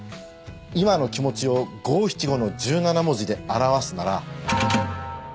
今の気持ちを五七五の１７文字で表すなら。